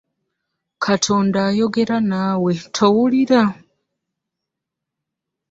Katonda ayogera naawe towulira.